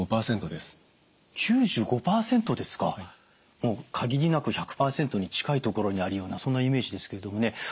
もう限りなく１００％に近いところにあるようなそんなイメージですけれどもね。